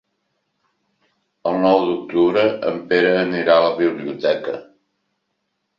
El nou d'octubre en Pere anirà a la biblioteca.